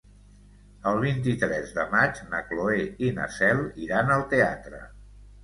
El vint-i-tres de maig na Cloè i na Cel iran al teatre.